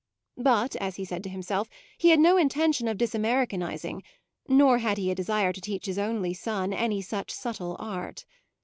But, as he said to himself, he had no intention of disamericanising, nor had he a desire to teach his only son any such subtle art.